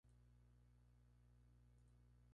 Records, y Machine Shop Recordings.